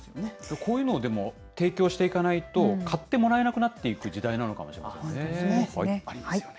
こういうのを、でも提供していかないと、買ってもらえなくなっていく時代なのかもしれませんね。